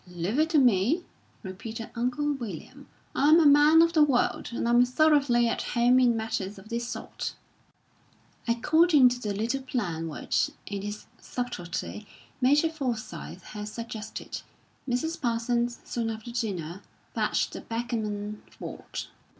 "Leave it to me," repeated Uncle William. "I'm a man of the world, and I'm thoroughly at home in matters of this sort." According to the little plan which, in his subtlety, Major Forsyth had suggested, Mrs. Parsons, soon after dinner, fetched the backgammon board.